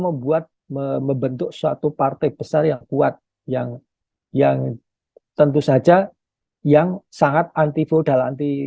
membuat membentuk suatu partai besar yang kuat yang yang tentu saja yang sangat anti vodal anti